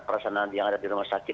perasaan yang ada di rumah sakit